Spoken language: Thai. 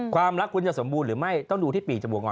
ความรักคุณจะสมบูรณ์หรือไม่ต้องดูที่ปีจมูกก่อน